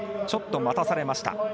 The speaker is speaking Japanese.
ちょっと待たされました。